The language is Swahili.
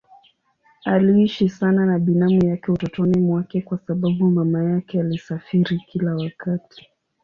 Aliishi sana na binamu yake utotoni mwake kwa sababu mama yake alisafiri kila wakati.